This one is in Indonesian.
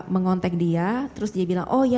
mengontek dia terus dia bilang oh ya